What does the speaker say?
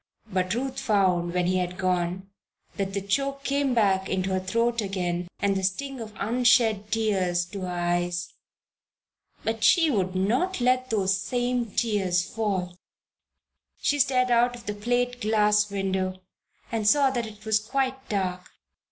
But Ruth found, when he had gone, that the choke came back into her throat again and the sting of unshed tears to her eyes. But she would not let those same tears fall! She stared out of the plate glass window and saw that it was now quite dark.